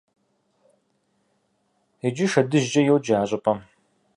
Иджы «ШэдыжькӀэ» йоджэ а щӏыпӏэм.